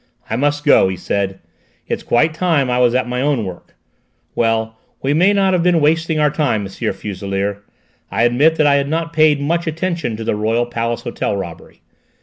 "I must go," he said; "it's quite time I was at my own work. Well, we may not have been wasting our time, M. Fuselier. I admit I had not paid much attention to the Royal Palace Hotel robbery.